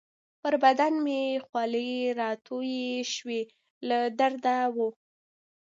پر بدن مې خولې راتویې شوې، له درده وو.